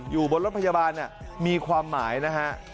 อยู่บนรถพยาบาลมีความหมายนะฮะ